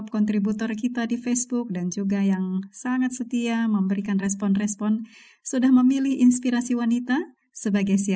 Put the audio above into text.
kembali di lagu untuk campuran kampung pemaskung